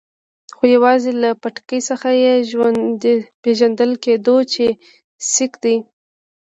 خو یوازې له پټکي څخه یې پېژندل کېدو چې سېک دی.